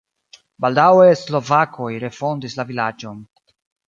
Baldaŭe slovakoj refondis la vilaĝon.